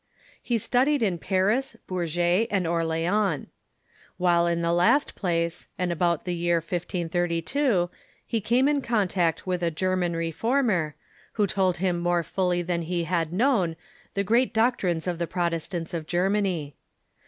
He studied in Paris, Bourges, and Orleans. While in the last j^lace, and about the year 1532, he came in contact with a German Re former, who told him more fully than he had known the great doctrines of the Protestants of Germany.